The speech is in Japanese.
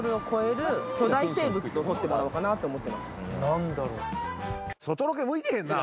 なんだろう？